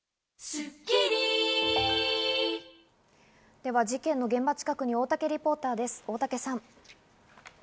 では、事件の現場近くに大竹リポーターです、大竹さん。